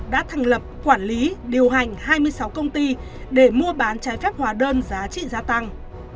đã thành lập quản lý điều hành hai mươi sáu công ty để mua bán trái phép hóa đơn giá trị gia tăng